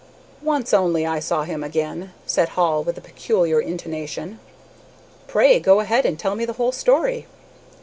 "Once only I saw him again," said Hall, with a peculiar intonation. "Pray go ahead, and tell me the whole story."